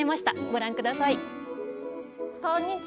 ご覧ください。